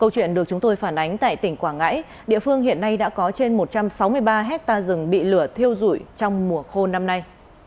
câu chuyện được chúng tôi phản ánh tại tỉnh quảng ngãi địa phương hiện nay đã có trên một trăm sáu mươi ba hectare rừng bị lửa thiêu dụi trong mùa khô năm nay